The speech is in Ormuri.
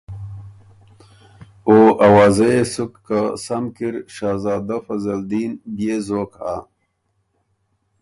او اوازۀ يې سُک که سم کی ر شهزادۀ فضل دین بيې زوک هۀ۔